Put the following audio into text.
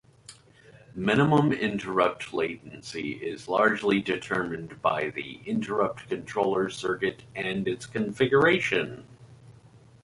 Minimum interrupt latency is largely determined by the interrupt controller circuit and its configuration.